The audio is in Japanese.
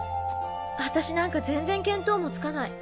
私なんか全然見当もつかない。